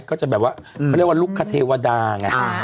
ก็จะแบบว่าเขาเรียกว่าลูกคเทวดาไง